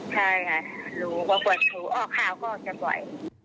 ใช่ค่ะรู้ว่ากวดถูกออกข่าวก็ออกจากไว้